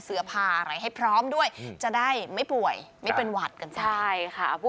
เสื้อผ้าอะไรให้พร้อมด้วยจะได้ไม่ป่วยไม่เป็นหวัดกันไปใช่ค่ะ